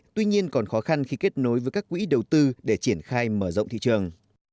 tuy nhiên còn khó khăn khi kết nối với các quỹ đầu tư để triển khai mở rộng thị trường